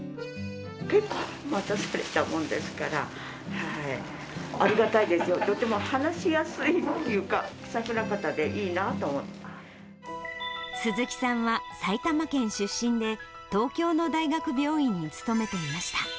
結構待たされたものですから、ありがたいですよ、とても話しやすいっていうか、鈴木さんは埼玉県出身で、東京の大学病院に勤めていました。